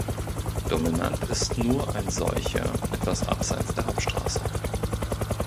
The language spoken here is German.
Dominant ist nur ein solcher, etwas abseits der Hauptstraße.